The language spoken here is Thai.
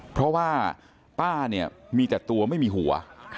เพราะว่าป้าเนี่ยมีแต่ตัวไม่มีหัว